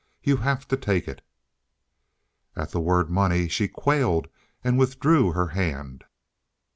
You have to take it." At the word money she quailed and withdrew her hand.